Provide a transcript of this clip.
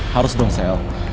harus dong sel